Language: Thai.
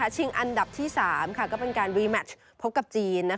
ชิงอันดับที่๓ก็เป็นการรีแมชพบกับจีน